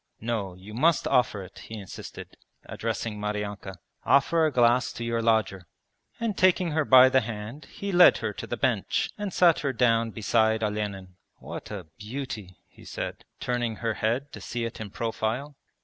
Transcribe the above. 'No, you must offer it,' he insisted, addressing Maryanka. 'Offer a glass to your lodger.' And taking her by the hand he led her to the bench and sat her down beside Olenin. 'What a beauty,' he said, turning her head to see it in profile.